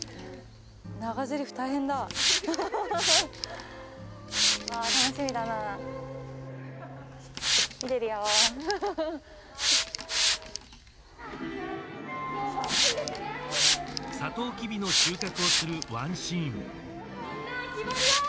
長ぜりふ大変だわあ楽しみだな見てるよサトウキビの収穫をするワンシーン・みんな気張るよ！